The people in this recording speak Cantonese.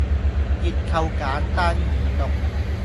結構簡單易讀